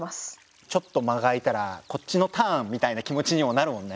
ちょっと間が空いたらこっちのターンみたいな気持ちにもなるもんね。